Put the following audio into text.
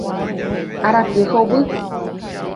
Arapy hovy